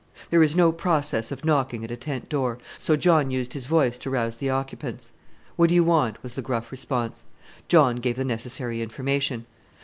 There is no process of knocking at a tent door, so John used his voice to rouse the occupants. "What do you want?" was the gruff response. John gave the necessary information.